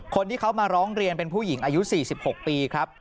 คนที่เขามาร้องเรียนเป็นผู้หญิงอายุ๔๖ปีครับ